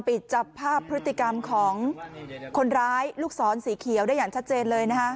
ปิดจับภาพพฤติกรรมของคนร้ายลูกศรสีเขียวได้อย่างชัดเจนเลยนะคะ